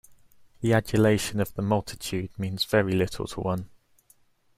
The adulation of the multitude means very little to one.